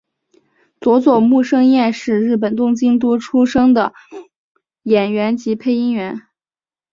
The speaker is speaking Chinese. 佐佐木胜彦是日本东京都出身的演员及配音员。